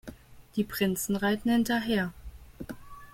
Die Prinzen reiten hinterher.